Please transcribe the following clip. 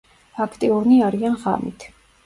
აქტიურნი არიან ღამით.